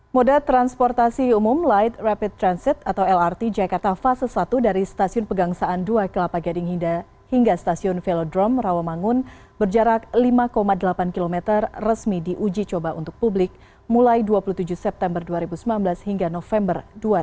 moda transportasi umum light rapid transit atau lrt jakarta fase satu dari stasiun pegangsaan dua kelapa gading hingga stasiun velodrome rawamangun berjarak lima delapan km resmi diuji coba untuk publik mulai dua puluh tujuh september dua ribu sembilan belas hingga november dua ribu dua puluh